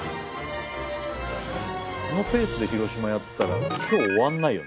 このペースで広島やってたら今日終わらないよ。